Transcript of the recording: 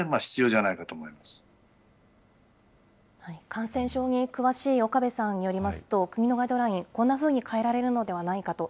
感染症に詳しい岡部さんによりますと、国のガイドライン、こんなふうに変えられるのではないかと。